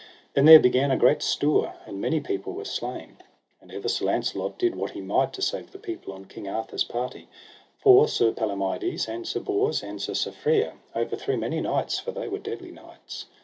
Then there began a great stour, and much people was slain; and ever Sir Launcelot did what he might to save the people on King Arthur's party, for Sir Palomides, and Sir Bors, and Sir Safere, overthrew many knights, for they were deadly knights.